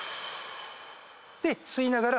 で吸いながら。